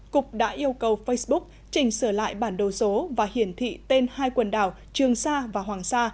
cục đã yêu cầu facebook chỉnh sửa lại bản đồ số và hiển thị tên hai quần đảo trường sa và hoàng sa